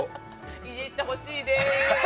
イジってほしいです！